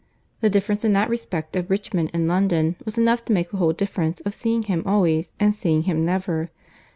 The difference in that respect of Richmond and London was enough to make the whole difference of seeing him always and seeing him never.